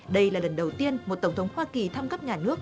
đây là lần đầu tiên một tổng thống hoa kỳ thăm cấp nhà nước